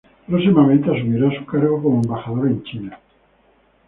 Próximamente asumirá su cargo como embajador en China.